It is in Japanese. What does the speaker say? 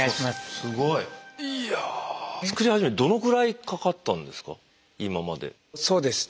すごい。いや作り始めてどのぐらいかかったんですか？